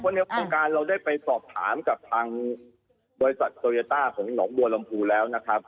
ในโครงการเราได้ไปสอบถามกับทางบริษัทโตโยต้าของหนองบัวลำพูแล้วนะครับ